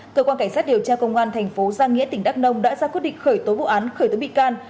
cơ quan cảnh sát điều tra công an thành phố giang nghĩa tỉnh đắk nông đã ra quyết định khởi tố vụ án khởi tố bị can